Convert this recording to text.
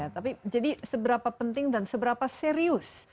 tapi jadi seberapa penting dan seberapa serius